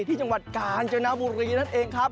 ที่จังหวัดกาญจนบุรีนั่นเองครับ